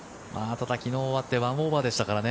ただ、昨日終わって１オーバーでしたからね。